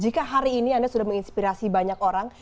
jika hari ini anda sudah menginspirasi banyak orang